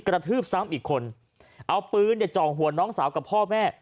กระทืบซ้ำอีกคนเอาปืนจ่องหัวน้องสาวกับพ่อแม่